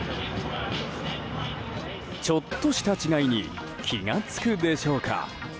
ちょっとした違いに気が付くでしょうか。